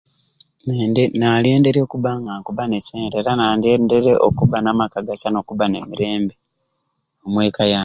Nyende nalyenderye okubba nesente era nandendyerye okubba namakka agasai nokubba nemirembe omwekka yange.